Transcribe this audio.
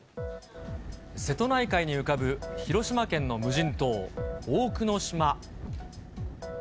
瀬戸内海に浮かぶ広島県の無人島、大久野島。